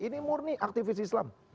ini murni aktivis islam